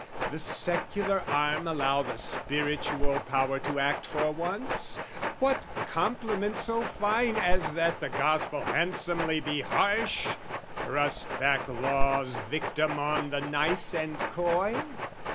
"The secular arm allow the spiritual power "To act for once? what compliment so fine "As that the Gospel handsomely be harsh, "Thrust back Law's victim on the nice and coy?"